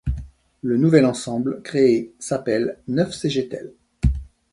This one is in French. Le nouvel ensemble créé s'appelle Neuf Cegetel.